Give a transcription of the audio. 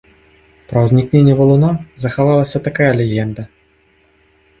Пра ўзнікненне валуна захавалася такая легенда.